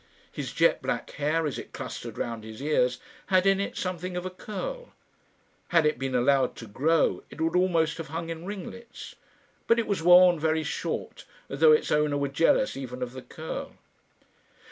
His jet black hair, as it clustered round his ears, had in it something of a curl. Had it been allowed to grow, it would almost have hung in ringlets; but it was worn very short, as though its owner were jealous even of the curl.